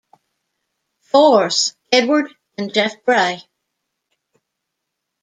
Force, Edward and Jeff Bray.